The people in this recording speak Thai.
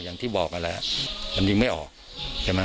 อย่างที่บอกก็แหละ